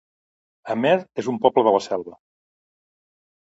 Amer es un poble de la Selva